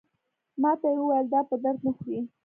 ماته یې وویل دا په درد نه خوري.